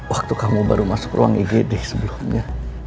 waktu kamu baru masuk ruang igd sebelumnya